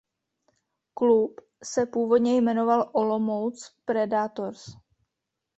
Klub se původně jmenoval Olomouc Predators.